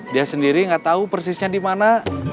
dia sendiri gak tau persisnya dimana